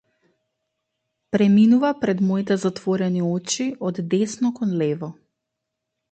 Преминува пред моите затворени очи од десно кон лево.